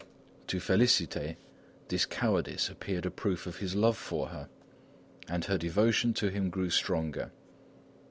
To Félicité his cowardice appeared a proof of his love for her, and her devotion to him grew stronger.